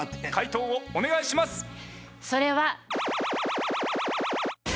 回答をお願いします。